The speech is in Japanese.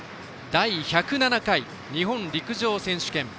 第１０７回日本陸上選手権。